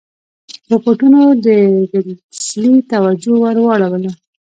رپوټونو د ویلسلي توجه ور واړوله.